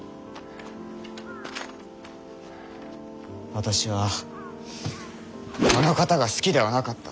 私はあの方が好きではなかった。